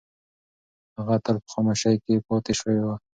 هغه تل په خاموشۍ کې پاتې شوې ده.